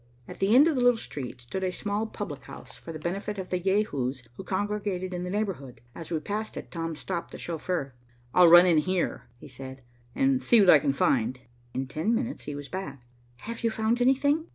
At the end of the little street stood a small public house for the benefit of the Jehus who congregated in the neighborhood. As we passed it, Tom stopped the chauffeur. "I'll run in here," he said, "and see what I can find." In ten minutes he was back. "Have you found anything?"